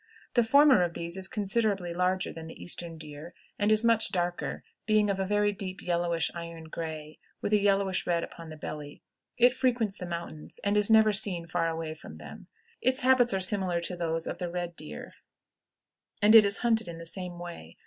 The former of these is considerably larger than the eastern deer, and is much darker, being of a very deep yellowish iron gray, with a yellowish red upon the belly. It frequents the mountains, and is never seen far away from them. Its habits are similar to those of the red deer, and it is hunted in the same way.